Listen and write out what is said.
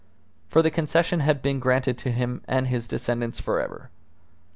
For the Concession had been granted to him and his descendants for ever.